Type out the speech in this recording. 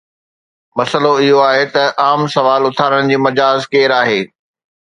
مسئلو اهو آهي ته عام سوال اٿارڻ جو مجاز ڪير آهي؟